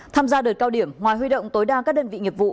tham gia đợt cao điểm ngoài huy động tối đa các đơn vị nghiệp vụ